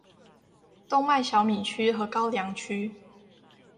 冬麥小米區和高梁區